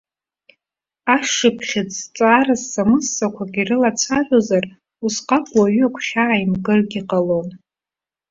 Ашшыԥхьыӡ зҵаара ссамыссақәак ирылацәажәозар, усҟак уаҩы агәхьаа имкыргьы ҟалон.